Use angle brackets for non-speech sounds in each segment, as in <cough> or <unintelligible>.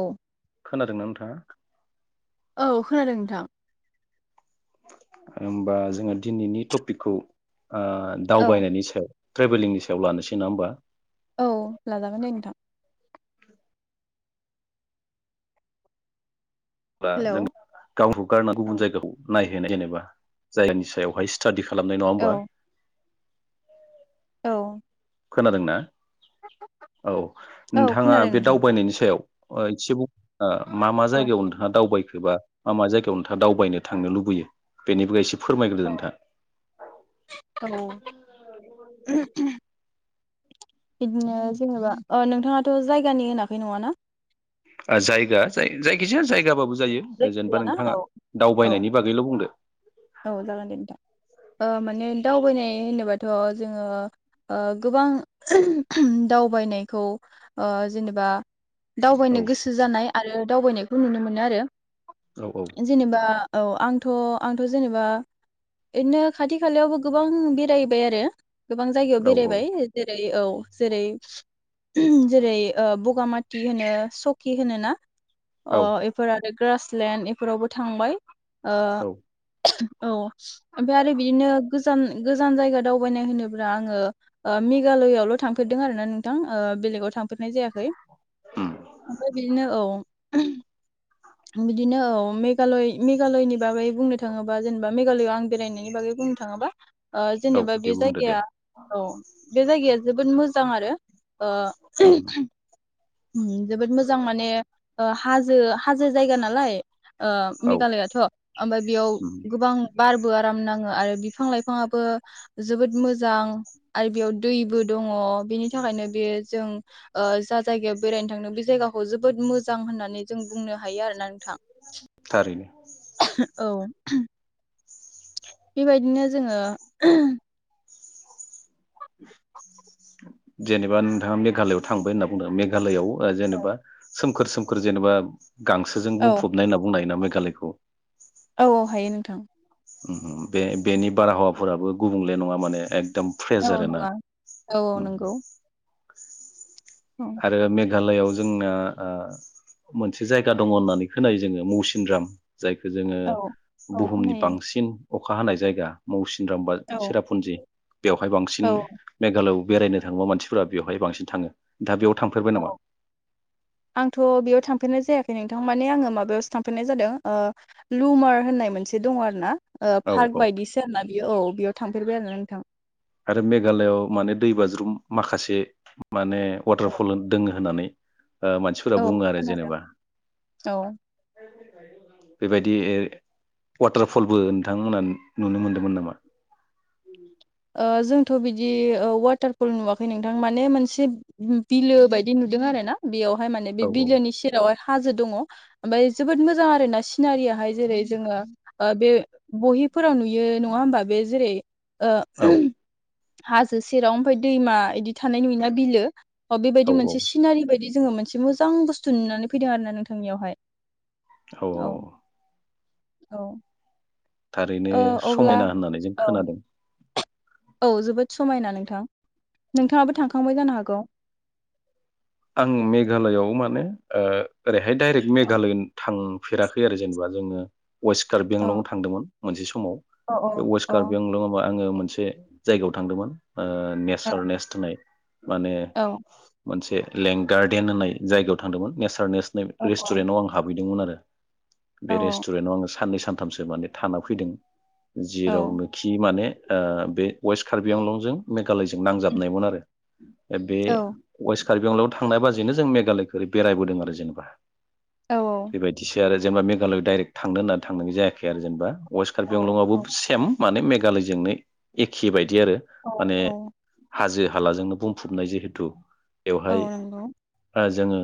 औ खोनादोंना नोंथाङा? औ खोनादों नोंथां। होनबा जोङो दिनैनि टपिकखौ ओ औ दावबायनायनि सायाव ट्रेभेलिंनि सायाव लानोसै नङा होमबा? औ लाजागोन दे नोंथां। बा हेलौ जों गावखौ गारना गुबुन औ जायगाखौ नायो। जेनेबा जायानि सायावहाय स्टाडि खालामनाय नङा होमबा? औ खोनादोंना? औ औ नोंथाङा खोनादों बे नोंथां दावबायनायनि सायाव <unintelligible> ओ मा मा औ जायगायाव नोंथांङा दावबायखोबा मा मा जायगायाव नोंथांङा दावबायनो थांनो लुबैयो बेनिबो एसे फोरमायग्रोदो औ नोंथां उम उम बिदिनो जेनेबा अ नोंथांङाथ' जायगानि होनाखै नंङाना? ओ जायगा जा-जायखिजाया जायगा बाबो जायो जेनेबा जायखिजायाना औ नोंथांङा औ दावबायनायनि बागैल' बुंदो औ जागोन दे नोंथां ओ माने दावबायनाय होनोबाथ' जोङो गोबां ओम ओम दावबायनायखौ ओ जेनेबा औ दावबायनो गोसो जानाय आरो दावबायनायखौ नुनो मोनो आरो औ औ जेनेबा औ आंथ' आं थ' जेनेबा इदिनो खाथि खालायावबो गोबां बेरायबाय आरो गोबां जायगायाव औ औ बेरायबाय जेरै ए औ जेरै उम जेरै ओ बगामाथि होनो सकि होनो ना? अ औ एफोर आरो ग्रासलेणड एफोरावबो थांबाय ओ औ औ ओमफ्राय आरो बिदिनो गोजान गोजान जायगा दावबायनाय होनोब्ला आंङो ओ मेघालयआवल' थांफेरदों आरोना नोंथां ओ बेलेगाव थांफेरनाय जायाखै उम । ओमफ्राय बिदिनो औ बिदिनो औ मेघालय मेघालयनि बागै बुंनोथां थांङोबा जेनेबा मेघालयआव आं बेरायनायनि बागै बुंनो थांङोबा ओ औ जेनेबा दे बे बुंदो दे जायगाया औ बे जायगाया जोबोद मोजां आरो ओ उम उम जोबोद मोजां माने ओ हाजो हाजो जायगा नालाय ओ औ मेघालयाथ' ओमफ्राय बेयाव उम गोबां बारबो आराम नांङो आरो बिफां लाइफांङाबो जोबोद मोजां आरो बेयाव दैबो दंङ बेनि थाखायनो बे जों ओ जा जायगायाव बेरायनो थांनो बे जायगाखौ जोबोद मोजां होननानै जों बुंनो हायो आरो ना नोंथां थारैनो औ उम बेबायदिनो जोङो <unintelligible> जेनेबा नोंथाङा मेघालयाव थांबाय होनना बुंदों मेघालयाव ओ जेनेबा सोमखोर सोमखोर जेनेबा गांसोजों औ बुंफबनाय होनना बुंनो हायो नामा <unintelligible> <unintelligible> औ औ हायो नोंथां। बे बेनि बारहावाफोराबो गुबुंले नङा माने एक औ नङा औ औ नंगौ। औ आरो मे मेघालयाव जोंना ओ मोनसे जायगा दङ' होननानै खोनायो जोङो मौसिनराम जायखौ जोङो औ औ बुहुमनि खोनायो बांसिन अखा हानाय जायगा मौसि राम बा औ सिरापुनजि बेवहाय बांसिन औ मेघालयाव बेरायनो थाङोबा मानसिफोरा बेवहाय बांसिन थाङो। दा बेयाव थांफेरबाय नामा औ आंथ' बेयाव थां फेरनाय जायाखै नोंथां माने आङो माबायावसो थांफेरनाय जादों ओ लुमार होननाय मोनसे दङ' आरो ना। ओ औ फार्क औ बायदिसो आरो ना बियो औ बेयाव थांफेरबाय आरो नों थां। आरो मेघालआव माने दैबाज्रुम माखासे माने औ वाटारफल दोङो होननानै ओ मानसिफोरा औ बुङो आरो खोनादों जेनेबा। औ बेबायदि वाटारफलबो नोंथांमोनहा नुनो मोनदोंमोन नामा? ओ जोंथ' बिदि वाटारफल नुवाखै नोंथां माने मोनसे बिलो बायदि नुदों आरो ना बेयाव हाय माने औ बे बिलोनि सेरावहाय हाजो दङ'।ओमफाय जोबोद मोजां आरोना सिनारियाहाय जेरै जोङो आ बे बहिफोराव नुयो नङा होमबा बे जेरै औ <unintelligible> हाजो सेराव ओमफाय दैमा इदि थानाय नुयोना बिलो अ औ बेबायदि मोनसे औ सिनारि बायदि जोङो मोनसे मोजां बुस्थु नुनानै फैदों आरो ना नोंथां इयावहाय। औ औ। औ। थारैनो ओ अब्ला समायना होननानै जों औ खोनादों। औ जोबोद समायना नोंथां नोंथाङाबो थांखांबाय जानो हागौ आं मेघालआव माने ओरैहाय डाइरेक्ट मेघालय थांफेराखै आरो जेनेबा जोङो वेस्ट औ कारबिंआंलंआव थांदोंमोन मोनसे समाव औ बे औ वेस्ट कारबिंआंलंआव आङो मोनसे जायगायाव थांदोंमोन औ नेचारनेस होननाय माने औ मोनसे लें गार्डेन होननाय जायगायाव थांदोंमोन नेचार नेस औ रेस्टुरेन्टआव आं हाबैदोंमोन आरो <inaudible> <unintelligible> औ बे रेस्टुरेन्टआव आंङो साननै सानथामसो माने थाना फैदों औ जेरावनो खि माने बे वेस्ट कार्बि आंलंजों गालयजों नांजाबनायमोन आरो बे औ वेस्ट कारबिंआंलायाव थांनाय बाजैनो जों मेघालयखौ ओरै बेरायबोदों आरो जेनेबा औ बेबायदिसो आरो जेनेबा मेघालयआव डाइरेक थांनो होननानै थांनाय जायाखै आरोे जेनेबा वेस्ट कारबिंआंलं औ आबो सेम माने मेघालयजोंनो एखे बायदि बिदि आरो माने औ हाजो हालाजोंनो बुंफबनाय जिहेथु औ बेवहाय नंगौ जोङो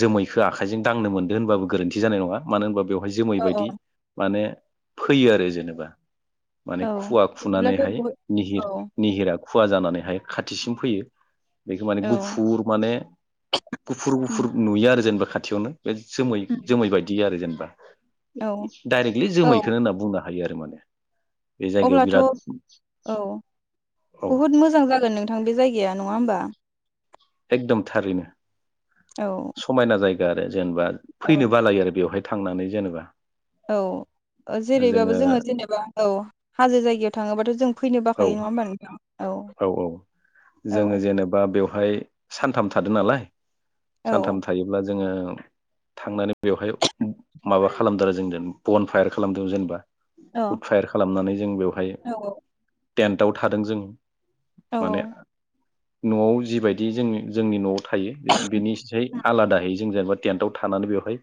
जोमैखौ आखाइजों दांनो मोनदों होनबाबो गोरोन्थि जानाय नङा मानो होनबा बेव बेहाय जोमै औ बायदि औ माने फैयो आरो जेनेबा माने औ खुवा बिदिब्लाथ' खुनानैहाय बहुद औ निहिर निहिरा खुवा जानानैहाय खाथिसिम फैयो बेखौ माने औ गुफुर माने गुफुर उम गुफुर नुयो आरो जेनेबा खाथियावनो बे जोमै जोमै बायदि आरो जेनेबा औ <inaudible> डायरेक्टलि औ जोमैखौनो होनना बुंना हायो आरो माने बे जायगायाव अब्लाथ' बिराद औ बहुत मोजां जागोन नोंथां बे जायगाया गाया नङा होमबा? एकदम थारैनो। औ समायना जायगा गा आरो। जेनेबा फैनो बालायो आरो बेवहाय थांनानै जेनेबा। औ ओ जेरैबाबो जोङो जेनेबा औ हाजो जायगायाव थाङोबाथ' जों फै फैनो औ बाखायो नङा होमबा नोंथां? औ औ औ जोङो जेनेबा बेवहाय सान थाम थादो नालाय। औ सानथाम थायोब्ला जोङो थांनानै बेवहाय माबा खालामदों आरो जों बन फायार खालामदों जेनेबा औ उटफायार खालामनानै जों बेवहाय औ टेन्टआव थादों जों। औ माने न'आव जिबायदि जों जोंनि न'आव थायो बे बेनि एसेहाय उम आलादाहै जों जेनेबा टेन्टाव थानानै बेवहाय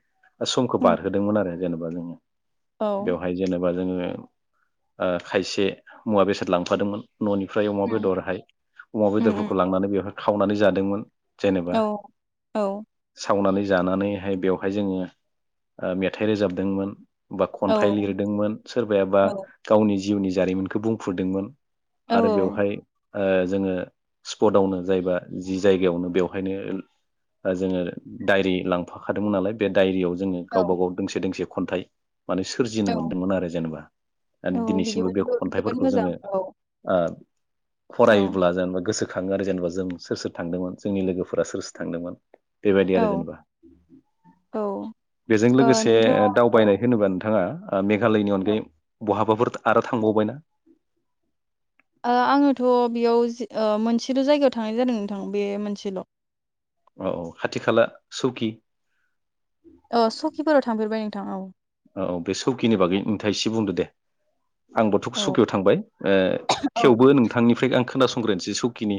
समखौ बारहोदोंमोन आरो। जेन'बा जोङो बेवहाय जेनेबा जोङो ओ खायसे मुवा बेसाद लांफादोंमोन न'नि फ्राय अमा उम बेदरहाय अमा उम बेदरफोरखौ लांनानै बेवहाय खावनानै जादोंमोन जेनेबा औ औ। सावनानै जानानैहाय बेवहाय जोङो ओ मेथाइ रोजाबदोंमोन। बा औ खन्थाइ लिरदोंमोन सोरबायाबा गावनि जिउनि जारिमिनखौ बुंफ्रुदोंमोन। आरो औ बेवहाय ओ जोङो स्पटावनो जायबा जि जायगायावनो बेवहायनो जोङो दायरि लांफाखादोंमोन नालाय बे दायरियाव जो जोङो औ गावबा गाव दोंसे दोंसे खन्थाइ माने सोरजिनो औ मोन्दोंमोन आरो जेनेबा औ दिनैसिमबो बिदिबो बे जोबोद जोबोद खन्थाइफोरखौ मोजां जोंङो औ आ औ फरायोब्ला जेनेबा गोसोखौ खांङो आरो जेनेबा जों सोर सोर थांदोंमोन जोंनि लोगोफोरा सोर सोर थांदोंमोन बेबायदि आरो औ जेनेबा औ बेजों ओ लोगोसे नोंथाङा औ दावबायनाय होनोबा नोंथाङा आ मेघालयनि औ अनगायै बहाबाफोर आरो थांबावबायना आङोथ' बेयाव ओ मोनसेल' जायगायाव थांनाय जादों नोंथां बे मोनसेल' औ औ खाथि खाला सौकि अ सकिफोराव थांफेरबाय नोंथां औ औ बे सौकिनि बागै नोंथाङा एसे बुंदो दे आंबोथ' औ सुकियाव थांबाय औ थेवबो नोंथांनिफ्राय आं खोनासं बुंग्रोनोसै सुकिनि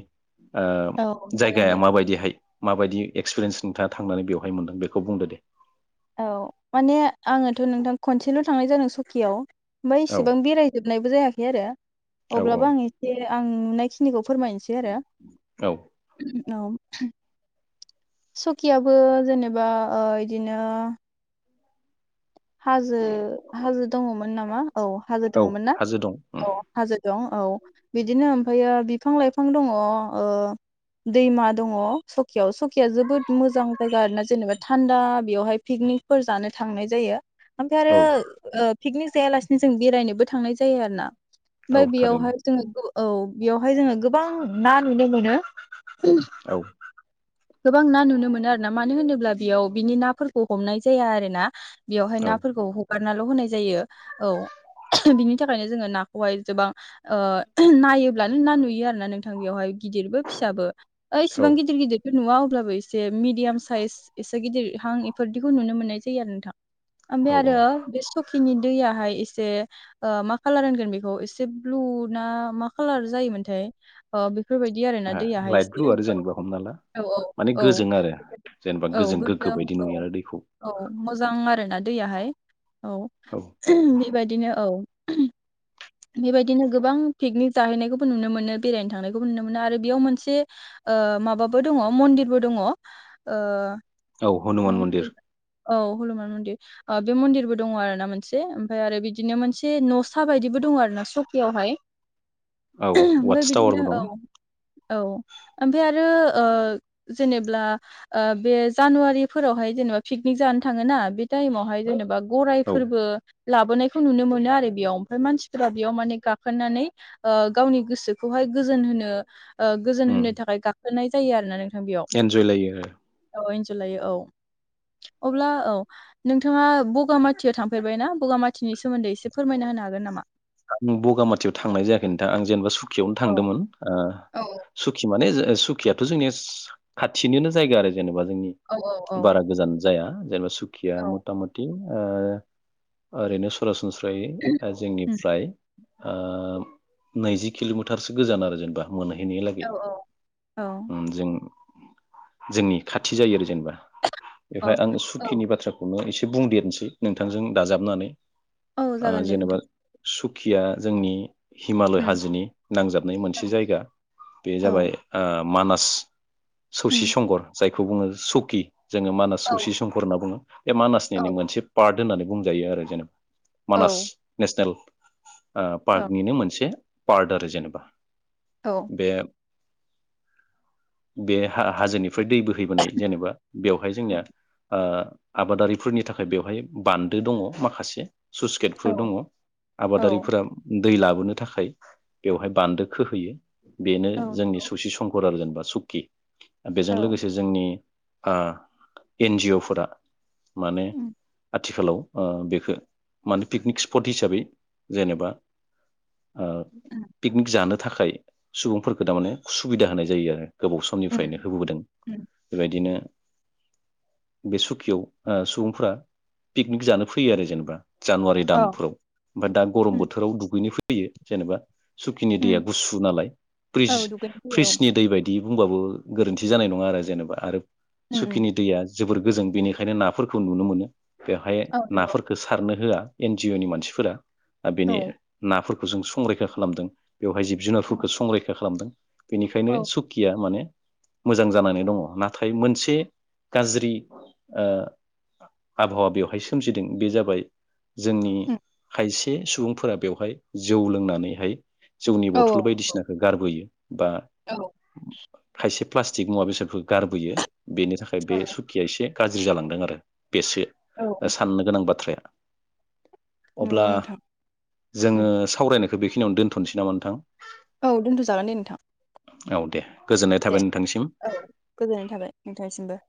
ओ औ जागोन जायगाया दे माबायदिहाय माबायदि एक्सपिरियेन्स नोंथांङा थांनानै बेवहाय मोनदों बेखौ बुंदो दे औ माने आङोथ' नोंथां खनसेल' थांनाय जादों सकियाव ओमफ्राय औ इसेबां बेरायजोबनायबो जायाखै आरो औ अब्लाबो आं एसे आं नुनायखिनिखौ फोरमायनोसै आरो औ औ सकियाबो जेनेबा ओ इदिनो ओ हाजो हाजो हाजो दङ'मोन नामा औ हाजो औ दङमोन ना हाजो दं औ हाजो दं औ बिदिनो ओमफ्रायायो बिफां लाइफां दङ ओ दैमा दङ सकियाव सकिया जोबोद मोजां जायगा आरोना जेनेबा थान्दा बेयावहाय पिकनिकफोर जानो थांनाय जायो ओमफ्राय आरो औ ओ पिकनिक जायालासिनो जों बेरायनोबो थांनाय जायो आरो ना औ ओमफाय थारैनो बेयावहाय जोंङो औ बेयावहाय जोंङो गोबां ना नुनो मोनो औ गोबां ना नुनो मोनो आरो ना मानो होनोब्ला बेयाव बिनि नाफोरखौ हमनाय जाया आरो ना बेवहाय औ नाफोरखौ बारनाल' होनाय जायो औ बिनि थाखायनो जोंङो नाखौहाय गोबां ओ नायोब्लानो ना नुयो आरोना नोंथां बेयावहाय, गिदिरबो फिसाबो ओइ औ इसिबां गिदिर गिदिर, नुवा अब्लाबो एसे मिडियाम साइज एसे गिदिर हां इफोरदिखौ नुनो मोननाय जायो आरो नोंथां, ओनफाय औ आरो औ बे सुख खिनि दैयाहाय एसे ओ मा कालार होनगोन बेखौ एसे ब्लु ना मा कालार जायोमोनथाय ओ बे फोरबायदि आरोना दैयाहाय लाइट ब्लु एसे आरो औ जेनेबा हमना ला औ माने औ औ गोजों आरो जेनेबा औ गोग्गो गोजों बायदि नुयो औ आरो दैखौ औ मोजां आरो दा दैयाहाय, औ बेबायदिनो औ बेबायदिनो गोबां पिकनिक जाहैनायखौबो नुनो मोनो, बेरायनो थांनायखौबो नुनो मोनो आरो बेयाव मोनसे ओ माबाबो दङ मन्दिरबो दङ ओ औ मा हनुमान मन्दिर औ हनुमान मन्दिर, ओ मन्दिरबो दङ आरो ना मोनसे ओमफ्राय आरो बिदिनो मोनसे न'सा बायदिबो दङ आरो ना सकियावहाय। औ ओमफ्राय वाटस बिदिनो टावारबो औ दं औ ओमफाय आरो ओ जेनेब्ला ओ बे जानुवारिफोरावहाय जेनेबा पिकनिक जानो थाङोना बे टाइमावहाय जेनेबा, औ गराइफोरबो लाबोनायखौ नुनो मोनो आरो बेयाव। ओमफ्राय मानसिफोरा बेयाव माने गाखोनानै ओ गावनि गोसोखौहाय गोजोनहोनो, ओ गोजोन होनो थाखाय गा गाखोनाय जायो आरोना नों एन्जय लायो आरो इनजय लायो औ अब्ला औ नोंथाङा ब'गामाथियाव थांफेरबायना? बगामाथिनि सोमोन्दै एसे फोरमायना होनो हागोन नामा? आं बगामाथियाव थांनाय जायाखै नोंथां आं जेनेबा सु खियावनो औ थांदोंमोन ओ औ सुखि माने सुकियाथ' जोंनिया खाथिनिनो जायगा आरो जेनेबा, जोंनि औ औ औ बारा गोजान जाया, जेनेबा सु खिया मथा मथि ओ ओरैनो सरास नस्रायै जोंनि उम फ्राय आ नैजि किल'मिटारसो गोजान आरो जेनेबा। मोनहैनाय लागै, औ ओम जों जोंनि खाथि जायो आरो जेनेबा, औ बेहाय आं औ सुखिनि बाथ्राखौनो एसे, एसे बुंदेरनोसै नोंथांजों दाजाबनानै औ आ जागोन दे जेनेबा नोंथां सुखिया जोंनि हिमालय उम हाजोनि नांजाबनाय मोनसे जायगा बे औ जाबाय ओ मानास सौसि उम संगर जाय खौ बुङो सकि जोंङो मानास औ सौसि संकफोर होनना बुङो बे औ मानासनिनो मोनसे पार्ट होननानै बुंजायो आरो जेनेबा औ मानास <inaudible> ओ औ पार्कनिनो मोनसे पार्ट आरो जेनेबा औ बे बे हा हाजोनि ओमफ्राय दै बोहैबोनाय जेनेबा बेवहाय जोंनिया ओ आबादारिफोरनि थाखाय बेवहाय बान्दो दङ माखासे सुस औ गेटफोर दङ औ आबादारिफोरा दै लाबोनो थाखाय बेवहाय बान्दोखौहोयो बेनो जोंनि सौसि संकर आरो जेनेबा सुकि बेजों औ लोगोसे जोंनि ओ एनजिअफोरा माने उम आथिखालाव ओ बेखौ माने पिकनिक सि पट हिसाबै जेनेबा उम पिकनिक जानो थाखाय सुबुंफोरखौ थारमाने सुबिदा होनाय जायो आरो गोबाव उम समनिफ्रायनो होबोबोदों बेबायदिनो बे सुकियाव सुबुंफोरा पिकनिक जानो फैयो आरो जेनेबा जानुवारि दान औ फ्राव दा गरम उम बोथोराव दुगैनोफै फैयो जेनेबा सुखिनि दैया उम गुसु नाला फ्रिस औ दुगैनो फैयो औ फ्रिसनि दै बायदि बुंबाबो गोरोन्थि जानाय नंङा आरो जेनेबा आरो उम सुखिनि दैया जोबोर गोजों बेनिखायनो नाफोरखौ नुनो मोनो बेवहाय औ नंगौ नाफोरफोरखौ सारनो होआ ए जिअनि मानसिफोरा औ बिनि नाफोर खौ जों संरैखा खालामदों बेवहाय जिब जुनारफोरखौ संरैखा खालामदों बेनिखायनो औ सुखिया माने मोजां जानानै दंङ नाथाय मोनसे गाज्रि ओ आबहावा बेवहाय सोमजिदों बे जाबाय जोंनि उम खायसे सुबुंफोरा बेवहाय जौ लोंनानैहाय जोंनि औ बथल नंगौ बायदिसिनाखौ गारबोयो बा औ खायसे प्लास्टिक मुवा बेसादखौ गारबोयो बेनि थाखाय औ बे सुखिया एसे गाज्रि जालांदों आरो बेसो औ साननो गोनां बाथ्राया अब्ला नंगौ नोंथां उम जोंङो सावरायनाय बेखौ बेखिनियावनो दोनथसै नामा नोंथां औ दोन्थजागोन दे नोंथां औ दे गोजोननाय दे थाबाय नोंथांसिम औ गोजोननाय थाबाय नोंथांसिमबो